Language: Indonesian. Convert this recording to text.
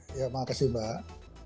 terima kasih mbak